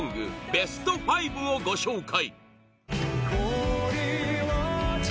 ベスト５をご紹介！